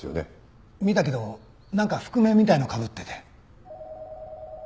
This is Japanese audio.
見たけどなんか覆面みたいのかぶってて。